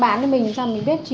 dương người ta cũng có lên chùa